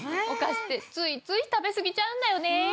お菓子ってついつい食べ過ぎちゃうんだよね。